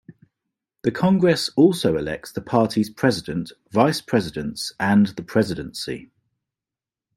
The Congress also elects the party's President, Vice Presidents and the "Presidency".